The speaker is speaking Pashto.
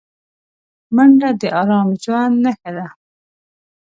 منډه د ارام ژوند نښه ده